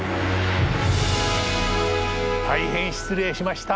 大変失礼しました。